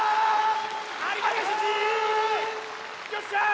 よっしゃ！